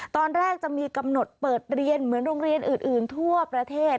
ตอนแรกจะมีกำหนดเปิดเรียนเหมือนโรงเรียนอื่นทั่วประเทศ